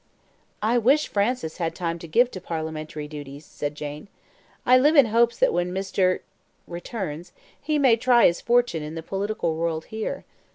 "I wish Francis had time to give to parliamentary duties," said Jane. "I live in hopes that when Mr. returns, he may try his fortune in the political world here.